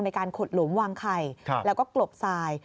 ในการขุดหลุมวางไข่แล้วก็กลบทราย